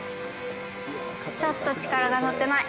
ちょっと力がのってない。